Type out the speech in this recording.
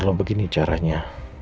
kalau begini caranya